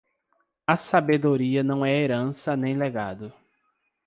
A sabedoria não é herança nem legado.